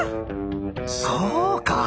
そうか！